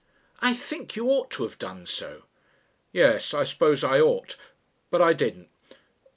"I think you ought to have done so." "Yes, I suppose I ought ... But I didn't.